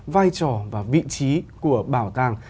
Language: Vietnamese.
vai trò và vị trí của bảo tàng